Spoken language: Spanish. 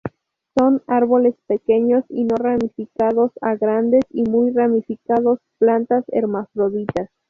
Son árboles pequeños y no ramificados a grandes y muy ramificados; plantas hermafroditas.